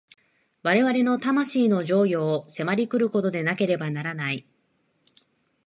我々の魂の譲与を迫り来ることでなければならない。